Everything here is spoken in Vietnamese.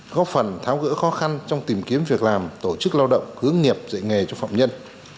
góp phần tháo gỡ khó khăn trong tìm kiếm việc làm tổ chức lao động hướng nghiệp dạy nghề cho phạm nhân